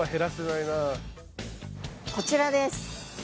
こちらです。